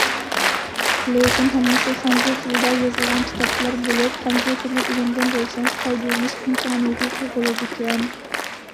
لېكىن ھەممىسى خەنزۇ تىلىدا يېزىلغان كىتابلار بولۇپ، خەنزۇ تىلى ئۆگەنگەن بولسىڭىز پايدىلىنىش ئىمكانىيىتى تۇغۇلىدىكەن.